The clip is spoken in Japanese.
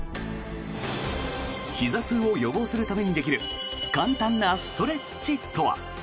ひざ痛を予防するためにできる簡単なストレッチとは。